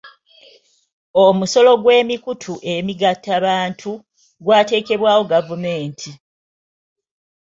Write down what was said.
Omusolo gw'emikutu emigattabantu gwateekebwawo gavumenti.